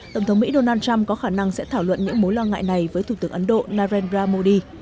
tổng thống mỹ donald trump có khả năng sẽ thảo luận những mối lo ngại này với thủ tướng ấn độ narendra modi